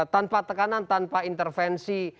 tanpa tekanan tanpa intervensi